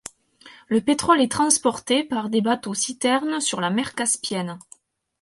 Le pétrole est transporté par des bateaux citernes sur la Mer Caspienne.